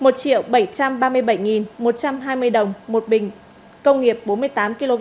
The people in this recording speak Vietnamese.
một bảy trăm ba mươi bảy một trăm hai mươi đồng một bình công nghiệp bốn mươi tám kg